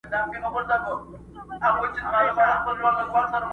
همېشه ګرځي په ډلو پر مردارو!!